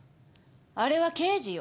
あれは刑事よ。